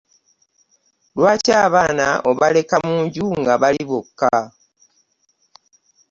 Lwaki abaana obaleka munju nga bali boka?